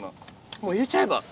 もう入れちゃえば？